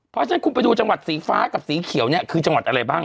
เพราะฉะนั้นคุณไปดูจังหวัดสีฟ้ากับสีเขียวเนี่ยคือจังหวัดอะไรบ้าง